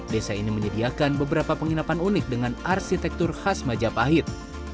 desa ini menyediakan beberapa penginapan unik dengan arsitektur khas majapahit